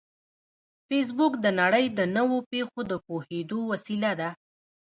فېسبوک د نړۍ د نوو پېښو د پوهېدو وسیله ده